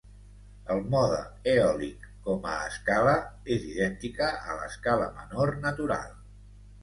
El mode eòlic com a escala és idèntica a l'escala menor natural.